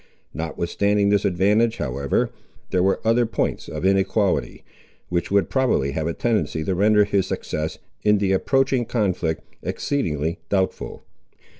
Notwithstanding this advantage, however, there were other points of inequality, which would probably have a tendency to render his success, in the approaching conflict, exceedingly doubtful.